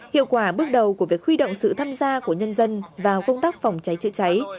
hiệu quả bước đầu của việc huy động sự tham gia của nhân dân vào công tác phòng cháy chữa cháy